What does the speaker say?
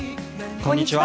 こんにちは。